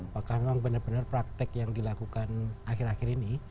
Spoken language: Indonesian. apakah memang benar benar praktek yang dilakukan akhir akhir ini